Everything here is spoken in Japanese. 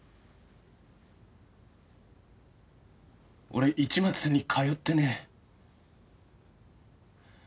俺市松に通ってねえ。